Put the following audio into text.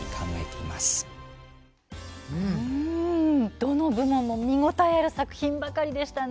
どの部門も見応えある作品ばかりでしたね。